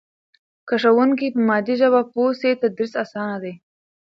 که ښوونکی په مادي ژبه پوه سي تدریس اسانه دی.